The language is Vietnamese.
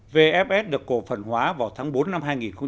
vfs được cổ phần hóa vào tháng bốn năm hai nghìn một mươi chín